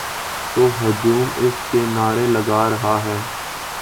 تو ہجوم اس کے نعرے لگا رہا ہے۔